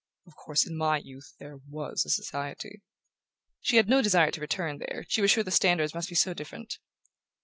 Of course in my youth there WAS a Society"...She had no desire to return there she was sure the standards must be so different.